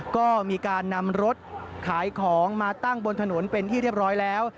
ก็มีการนำรถขายของมาตั้งบนถนนเป็นที่เรียบร้อยแล้ว